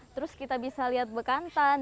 terus kita bisa lihat bekantan